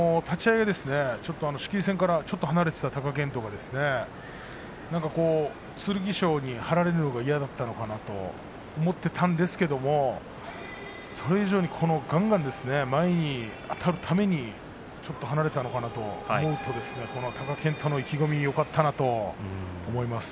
仕切り線からちょっと離れていた貴健斗が剣翔に張られるのが嫌だったのかなと思っていたんですけれどそれ以上に、がんがん前にあたるためにちょっと離れたのかなと思うと貴健斗の意気込みよかったなと思います。